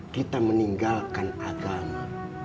kita meninggalkan agama